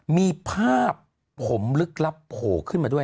มีภาพผมลึกลับโผล่ขึ้นมาด้วย